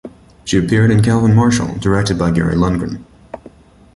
She appeared in "Calvin Marshall" directed by Gary Lundgren.